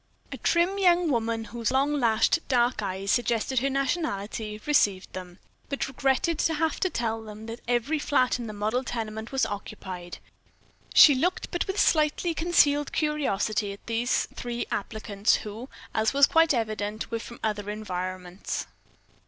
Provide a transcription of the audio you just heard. A trim young woman whose long lashed, dark eyes suggested her nationality, received them, but regretted to have to tell them that every flat in the model tenement was occupied. She looked, with but slightly concealed curiosity, at these three applicants who, as was quite evident, were from other environments.